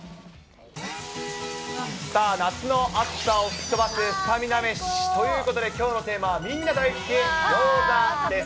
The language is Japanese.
さあ、夏の暑さを吹き飛ばすスタミナ飯ということで、きょうのテーマは、みんな大好き、ギョーザです。